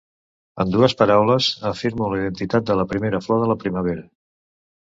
En dues paraules, afirmo la identitat de la primera flor de la primavera.